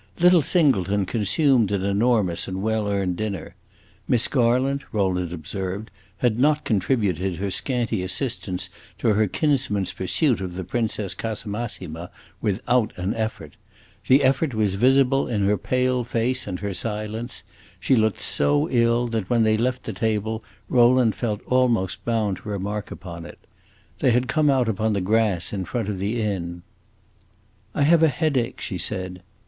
Little Singleton consumed an enormous and well earned dinner. Miss Garland, Rowland observed, had not contributed her scanty assistance to her kinsman's pursuit of the Princess Casamassima without an effort. The effort was visible in her pale face and her silence; she looked so ill that when they left the table Rowland felt almost bound to remark upon it. They had come out upon the grass in front of the inn. "I have a headache," she said.